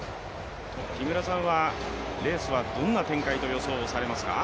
木村さんはレースはどんな展開と予想されますか？